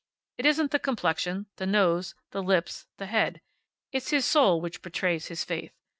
It isn't the complexion, the nose, the lips, the head. It's his Soul which betrays his faith.